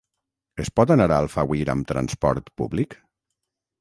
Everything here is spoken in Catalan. Es pot anar a Alfauir amb transport públic?